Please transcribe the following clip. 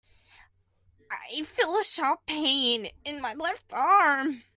I feel a sharp pain in my left arm.